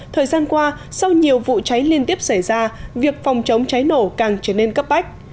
thời gian qua sau nhiều vụ cháy liên tiếp xảy ra việc phòng chống cháy nổ càng trở nên cấp bách